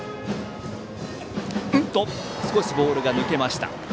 おっと、少しボールが抜けました。